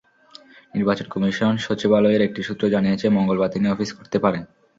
নির্বাচন কমিশন সচিবালয়ের একটি সূত্র জানিয়েছে, মঙ্গলবার তিনি অফিস করতে পারেন।